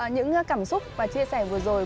những cảm xúc và chia sẻ vừa rồi